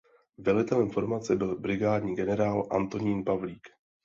Velitelem formace byl brigádní generál Antonín Pavlík.